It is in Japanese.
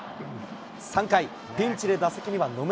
３回、ピンチで打席には野村。